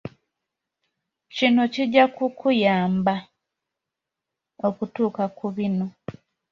Kino kijja kukuyamba okutuuka ku bino